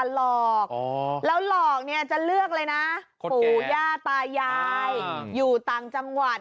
หลอกแล้วหลอกเนี่ยจะเลือกเลยนะปู่ย่าตายายอยู่ต่างจังหวัด